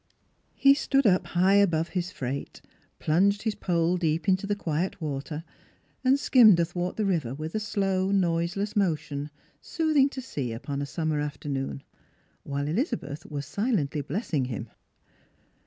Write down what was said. He stood up high above his freight, plunged his pole deep into the quiet water, and skimmed athwart the river with a slow noiseless motion soothing to see upon a summer afternoon, while Elizabeth was silently blessing him.